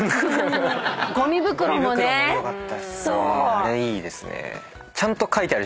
あれいいですね。